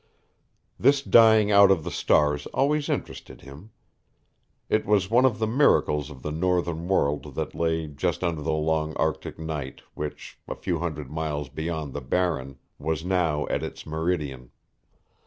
This dying out of the stars always interested him. It was one of the miracles of the northern world that lay just under the long Arctic night which, a few hundred miles beyond the Barren, was now at its meridian.